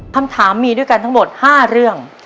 คำถามมีด้วยกันทั้งหมด๕เรื่อง